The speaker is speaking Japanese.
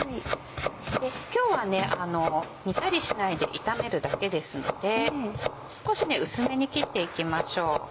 今日は煮たりしないで炒めるだけですので少し薄めに切っていきましょう。